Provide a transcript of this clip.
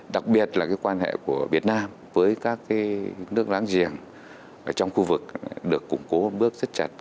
đặc biệt là quan hệ của việt nam với các nước láng giềng trong khu vực được củng cố bước rất chặt